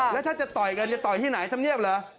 แล้วถ้าจะต่อยกันจะต่อยที่ไหนทำเงียบเหรอ